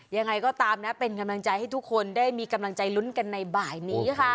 ยังไงก็ตามนะเป็นกำลังใจให้ทุกคนได้มีกำลังใจลุ้นกันในบ่ายนี้ค่ะ